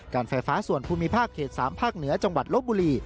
การไฟฟ้าส่วนภูมิภาคเขต๓ภาคเหนือจังหวัดลบบุรี